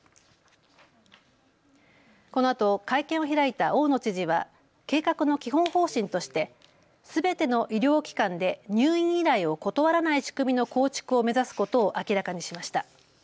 このあと会見を開いた大野知事は計画の基本方針としてすべての医療機関で入院依頼を断らない仕組みの構築を目指すことを明らかにしました。